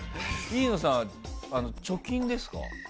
飯野さん、貯金ですか？